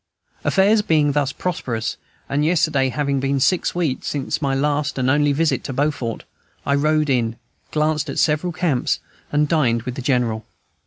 Affairs being thus prosperous, and yesterday having been six weeks since my last and only visit to Beaufort, I rode in, glanced at several camps, and dined with the General.